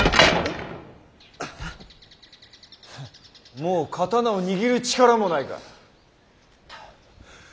もう刀を握る力もないか。